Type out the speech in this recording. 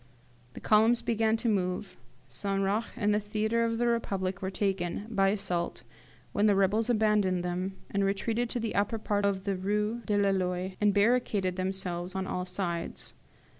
"The columns began to move, St. Roch and the theatre of the Republic were taken, by assault, when the rebels abandoned them, and retreated to the upper part of the Rue de la Loi, and barricaded themselves on all sides.